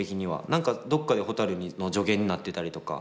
何かどっかでほたるの助言になってたりとか